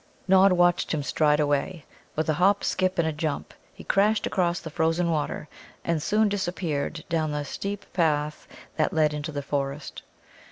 Nod watched him stride away. With a hop, skip, and a jump he crashed across the frozen water, and soon disappeared down the steep path that led into the forest.